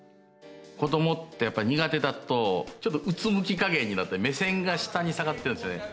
子供ってやっぱり苦手だとちょっとうつむき加減になって目線が下に下がってるんですよね。